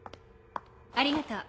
ありがとう。